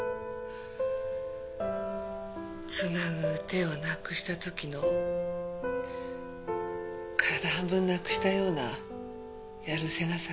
つなぐ手をなくした時の体半分なくしたようなやるせなさと寂しさ。